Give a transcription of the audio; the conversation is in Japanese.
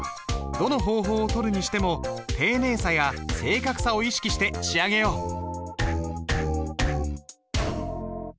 どの方法をとるにしても丁寧さや正確さを意識して仕上げよう。